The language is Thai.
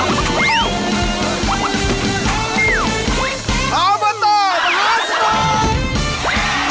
อบตมหาสนุก